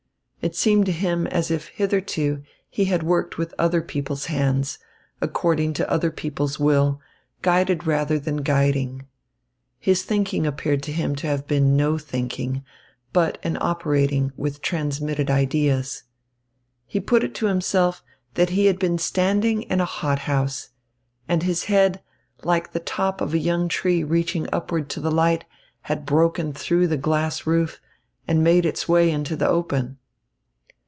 It seemed to him as if hitherto he had worked with other people's hands, according to other people's will, guided rather than guiding. His thinking appeared to him to have been no thinking, but an operating with transmitted ideas. He put it to himself that he had been standing in a hothouse, and his head, like the top of a young tree reaching upward to the light, had broken through the glass roof and made its way into the open.